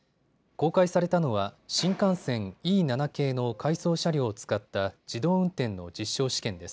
公開されたのは新幹線Ｅ７系の回送車両を使った自動運転の実証試験です。